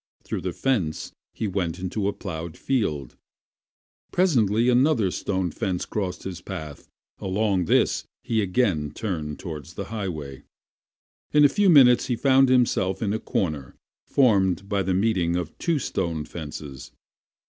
Through the fence he went into a plowed field. Presently another stone fence crossed his path; along this he again turned toward the highway. In a few minutes he found himself in a corner formed by the meeting of two stone fences.